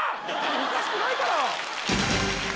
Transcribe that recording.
おかしくないから！